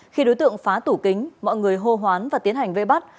khi đối tượng phá tủ kính mọi người hô hoán và tiến hành vây bắt